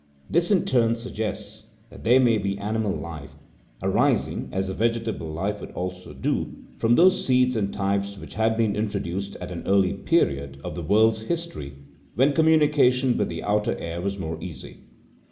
This in turn suggests that there may be animal life, arising, as the vegetable life would also do, from those seeds and types which had been introduced at an early period of the world's history, when communication with the outer air was more easy.